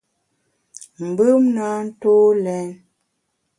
Mbùm na ntô lèn.